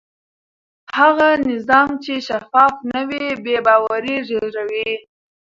هغه نظام چې شفاف نه وي بې باوري زېږوي